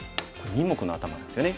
二目のアタマなんですよね。